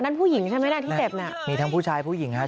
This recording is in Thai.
ผู้หญิงใช่ไหมล่ะที่เจ็บน่ะมีทั้งผู้ชายผู้หญิงฮะ